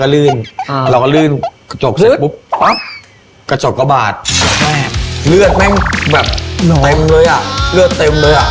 เลือดเต็มเลยอะ